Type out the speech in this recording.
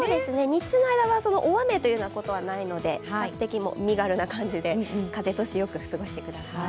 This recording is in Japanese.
日中の間は大雨ということはないので、比較的身軽な感じで風通しよく過ごしてください。